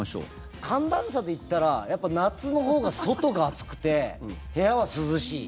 寒暖差で言ったらやっぱ夏のほうが外が暑くて、部屋は涼しい。